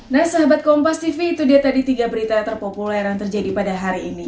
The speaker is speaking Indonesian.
nah sahabat kompas tv itu dia tadi tiga berita terpopuler yang terjadi pada hari ini